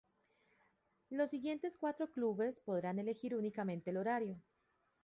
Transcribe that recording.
Los siguientes cuatro Clubes podrán elegir únicamente el horario.